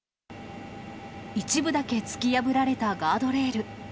一部だけ突き破られたガードレール。